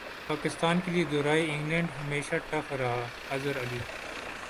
پاکستان کیلئے دورہ انگلینڈ ہمیشہ ٹف رہا اظہر علی